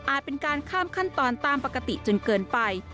เป็นการข้ามขั้นตอนตามปกติจนเกินไป